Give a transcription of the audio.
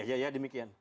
iya iya demikian